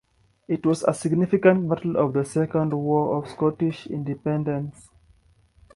It was a significant battle of the Second War of Scottish Independence.